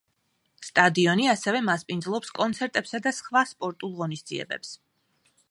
სტადიონი ასევე მასპინძლობს კონცერტებსა და სხვა სპორტულ ღონისძიებებს.